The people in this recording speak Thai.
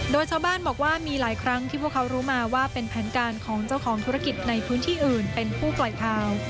โดยชาวบ้านบอกว่ามีหลายครั้งที่พวกเขารู้มาว่าเป็นแผนการของเจ้าของธุรกิจในพื้นที่อื่นเป็นผู้ปล่อยข่าว